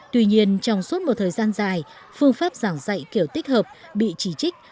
tuy nhiên trong suốt một thời gian dài phương pháp giảng dạy kiểu tích hợp bị chỉ trích